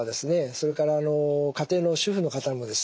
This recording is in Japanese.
それから家庭の主婦の方もですね